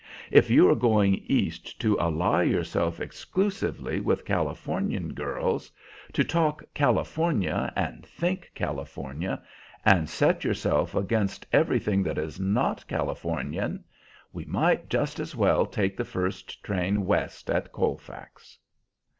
If you are going East to ally yourself exclusively with Californian girls, to talk California and think California and set yourself against everything that is not Californian, we might just as well take the first train west at Colfax."